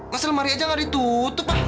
masa lemari aja gak ditutup pak